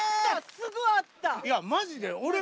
すぐあった！